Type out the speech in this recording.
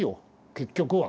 結局は。